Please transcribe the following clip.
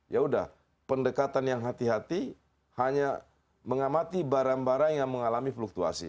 ya udah pendekatan yang hati hati hanya mengamati barang barang yang mengalami fluktuasi